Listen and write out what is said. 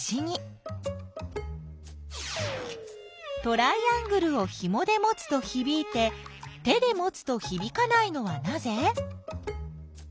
トライアングルをひもで持つとひびいて手で持つとひびかないのはなぜ？